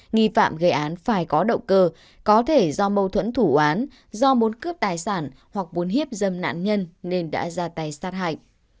nghi phạm gây án phải có động cơ có thể do mâu thuẫn thủ án do muốn cướp tài sản hoặc muốn hiếp dâm nạn nhân nên đã ra tay sát hại